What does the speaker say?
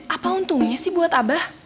apa untungnya sih buat abah